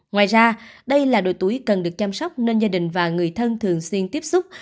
ngoài ra đây là đồ tuổi cần được chăm sóc nên gia đình và người thân thường xuyên tiếp xúc